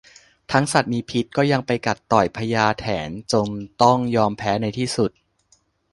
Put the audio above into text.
ทั้งสัตว์มีพิษก็ยังไปกัดต่อยพญาแถนจนต้องยอมแพ้ในที่สุด